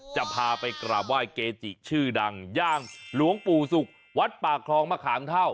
จะพาไปกราบไหว้เกจิชื่อดังย่างหลวงปู่ศุกร์วัดป่าคลองมะขามเท่า